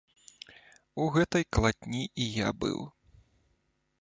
У гэтай калатні і я быў.